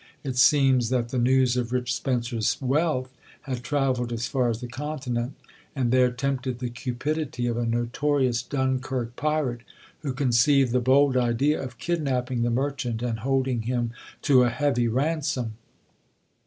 It seems that the news of "Rich Spencer's" wealth had travelled as far as the Continent, and there tempted the cupidity of a notorious Dunkirk pirate, who conceived the bold idea of kidnapping the merchant and holding him to a heavy ransom.